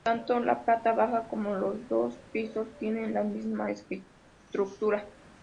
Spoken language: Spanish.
Tanto la planta baja como los dos pisos tienen la misma estructura.